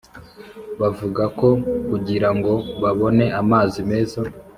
Bavuga ko kugira ngo babone amazi meza